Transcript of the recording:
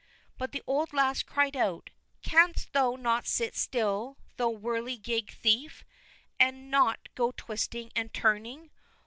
But the old lass cried out: "Canst thou not sit still, thou whirligig thief, and not go twisting and turning?